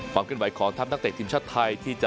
ความเกิดหวัยของท่านเทค้อนางเตะทีมชาติไทยที่จะ